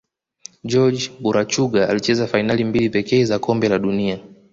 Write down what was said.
jorge burachuga alicheza fainali mbili pekee za kombe la dunia